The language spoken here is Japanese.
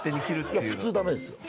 いや普通ダメですよ。